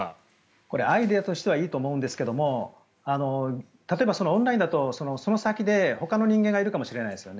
これはアイデアとしてはいいと思いますが例えば、オンラインだとその先でほかの人間がいるかもしれないですよね。